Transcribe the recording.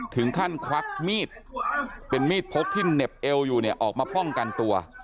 ควักมีดเป็นมีดพกที่เหน็บเอวอยู่เนี่ยออกมาป้องกันตัว